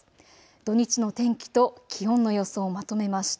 土日の天気と気温の予想をまとめました。